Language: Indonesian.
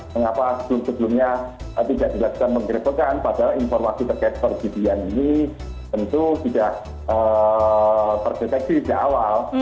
mengapa sebelumnya tidak diberikan menggeretakan padahal informasi terkait perjudian ini tentu tidak terdeteksi dari awal